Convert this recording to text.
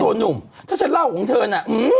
โดนนุ่มถ้าเช่าของเธอน่ะ